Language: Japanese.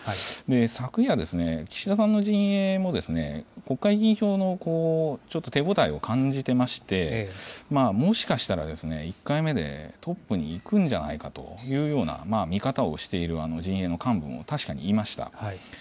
昨夜、岸田さんの陣営も、国会議員票の、ちょっと手応えを感じてまして、もしかしたら１回目でトップにいくんじゃないかというような見方をしている陣営の幹部も確かにいました。